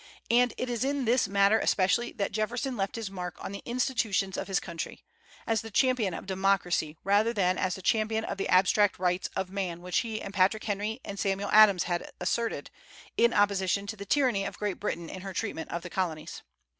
And it is in this matter especially that Jefferson left his mark on the institutions of his country, as the champion of democracy, rather than as the champion of the abstract rights of man which he and Patrick Henry and Samuel Adams had asserted, in opposition to the tyranny of Great Britain in her treatment of the Colonies.